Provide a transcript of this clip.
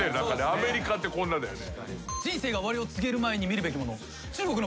アメリカってこんなだよね。